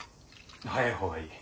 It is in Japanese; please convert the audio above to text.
早いほうがいい。